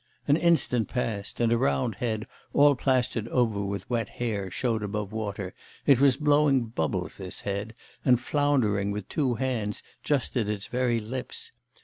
An instant passed... and a round head, all plastered over with wet hair, showed above water, it was blowing bubbles, this head; and floundering with two hands just at its very lips.